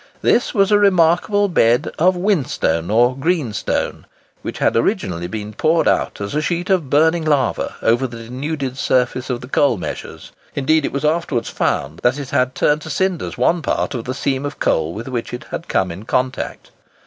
This was a remarkable bed of whinstone or green stone, which had originally been poured out as a sheet of burning lava over the denuded surface of the coal measures; indeed it was afterwards found that it had turned to cinders one part of the seam of coal with which it had come in contact.